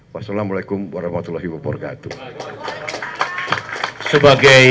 wassalamu'alaikum warahmatullahi wabarakatuh